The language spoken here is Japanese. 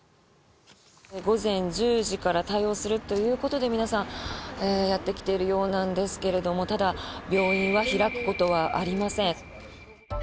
午前１０時から対応するということで皆さんやってきているようなんですがただ病院は開くことはありません。